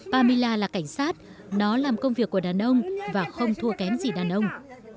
pamila là cảnh sát nó làm công việc của đàn ông và không thua kém gì đàn ông